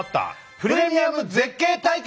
プレミアム絶景対決！